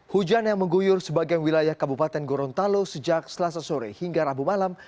hujan yang mengguyur sebagian wilayah kabupaten gorontalo sejak selasa sore hingga rabu malam